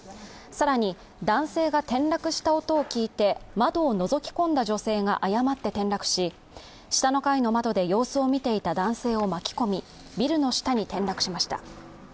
更に男性が転落した音を聞いて窓をのぞき込んだ女性が誤って転落し下の階の窓で様子を見ていた男性を巻き込み、ビルの下に転落しました。